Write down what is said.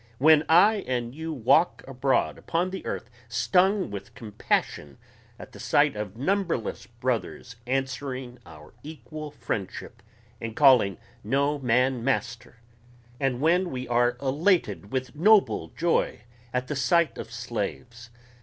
when I and you walk abroad upon the earth stung with compassion at the sight of numberless brothers answering our equal friendship and calling no man master and when we are elated with noble joy at the sight of slaves